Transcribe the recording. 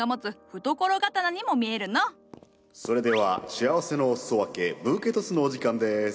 それでは幸せのお裾分けブーケトスのお時間です。